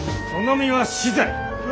その身は死罪。